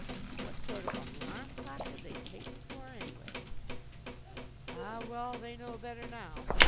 What sort of alarm clock did they take me for, anyway! Ah, well! They know better now.